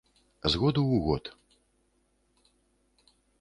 З году ў год.